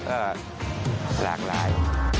ก็หลากหลาย